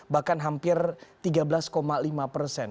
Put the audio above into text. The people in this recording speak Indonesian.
bahkan hampir tiga belas lima persen